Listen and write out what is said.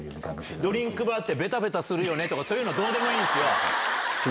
ドリンクバーってべたべたするよねってそういうのはどうでもいいんですよ。